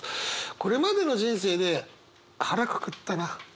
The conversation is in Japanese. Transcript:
これまでの人生で「腹くくったなあの時」